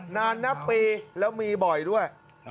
นานนับปีแล้วมีบ่อยด้วย